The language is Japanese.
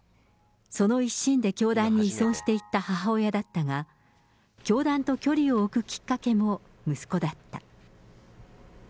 その一心で教団に依存していった母親だったが、教団と距離を置くきっかけも息子だった。